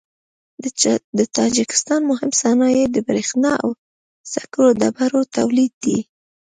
د تاجکستان مهم صنایع د برېښنا او سکرو ډبرو تولید دی.